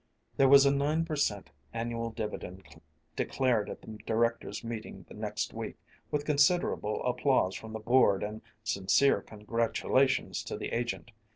There was a nine per cent. annual dividend declared at the directors' meeting the next week, with considerable applause from the board and sincere congratulations to the agent.